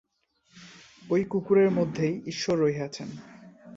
ঐ কুকুরের মধ্যেই ঈশ্বর রহিয়াছেন।